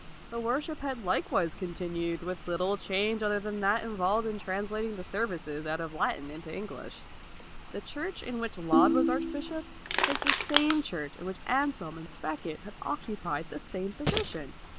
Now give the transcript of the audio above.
The worship had likewise continued, with little change other than that involved in translating the serv ices out of Latin into English. The church in which Laud was archbishop was the same church in which Anselm and Becket had occupied the same position.